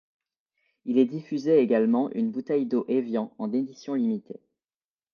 Il est diffusé également une bouteille d'eau Évian en édition limitée.